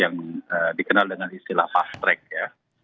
yang dikenal dengan istilah fast track ya